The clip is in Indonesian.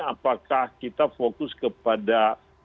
apakah kita fokus kepada